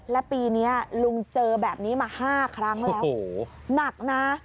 และปีนี้ลุงเจอแบบนี้มา๕ครั้งแล้วหนักนะ